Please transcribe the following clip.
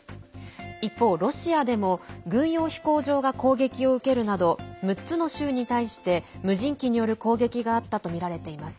一方、ロシアでも軍用飛行場が攻撃を受けるなど６つの州に対して無人機による攻撃があったとみられています。